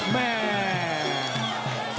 แม่